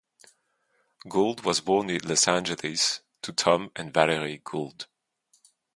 Gould was born in Los Angeles, to Tom and Valerie Gould.